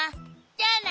じゃあな！